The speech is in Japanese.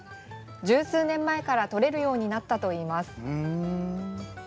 十数年前からとれるようになったといいます。